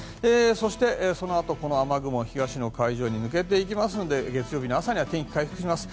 そしてそのあとこの雨雲は東の海上に抜けていきますので月曜日の朝には天気、回復します。